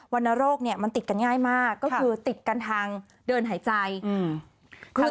รณโรคเนี่ยมันติดกันง่ายมากก็คือติดกันทางเดินหายใจอืม